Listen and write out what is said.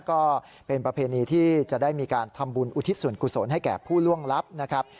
ก็เป็นประเพณีที่จะได้มีการทำบุญอุทิศส่วนกุศลให้แก่ผู้ล่วงลับนะครับ